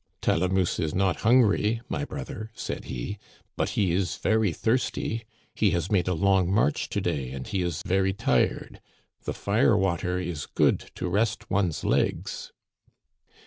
" Talamousse is not hungry, my brother," said he, " but he is very thirsty. He has made a long march to day and he is very tired. The fire water is good to rest one's legs."